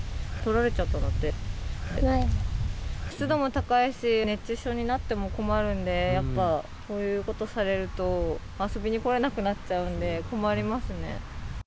湿度も高いし、熱中症になっても困るんで、やっぱ、こういうことされると遊びに来れなくなっちゃうんで困りますね。